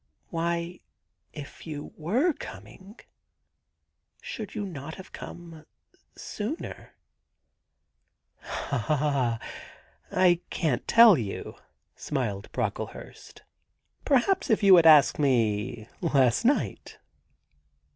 Why, if you were coming, should you not have come sooner ?'* Ah, I can't tell you,' smiled Brocklehurst. * Per haps if you had asked me last night